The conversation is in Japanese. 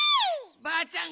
ばあちゃん